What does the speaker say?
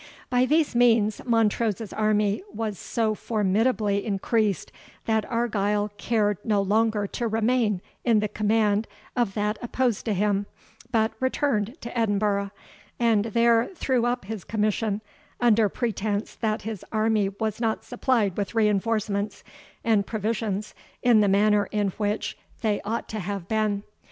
By these means, Montrose's army was so formidably increased, that Argyle cared no longer to remain in the command of that opposed to him, but returned to Edinburgh, and there threw up his commission, under pretence that his army was not supplied with reinforcements and provisions in the manner in which they ought to have been.